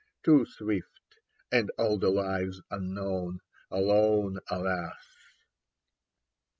Too swift — and all the lives unknown, Alone. Alas. .